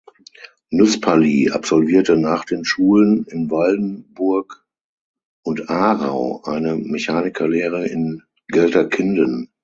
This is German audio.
Nüsperli absolvierte nach den Schulen in Waldenburg und Aarau eine Mechanikerlehre in Gelterkinden.